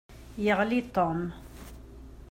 Yeɣli Tom.